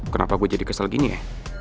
kenapa gue jadi kesel gini ya